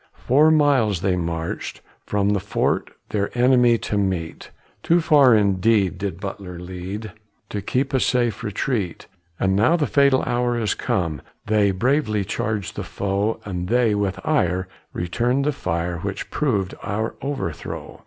Four miles they marchèd from the Fort Their enemy to meet, Too far indeed did Butler lead, To keep a safe retreat. And now the fatal hour is come They bravely charge the foe, And they, with ire, returned the fire, Which prov'd our overthrow.